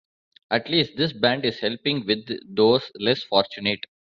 At least this band is helping with those less fortunate.